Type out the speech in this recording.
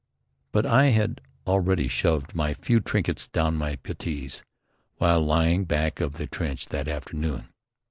But I had already shoved my few trinkets down my puttees while lying back of the trench that afternoon.